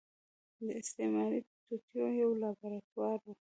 د استعماري توطيو يو لابراتوار و.